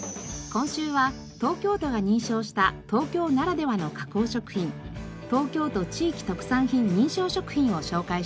今週は東京都が認証した東京ならではの加工食品東京都地域特産品認証食品を紹介しています。